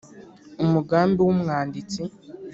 Umugambi w’umwanditsi